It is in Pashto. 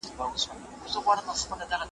ويل کيږي چې وروسته ورته پاکستان حکومت